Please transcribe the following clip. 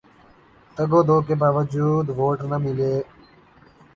تگ و دو کے باوجود ووٹ نہ ملے